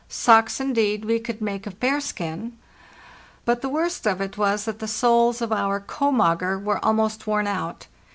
Socks, indeed, we could make of bearskin; but the worst of it was that the soles of our "komager" were almost worn out.